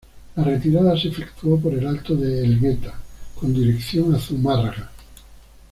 La retirada se efectuó por el alto de Elgueta con dirección a Zumárraga.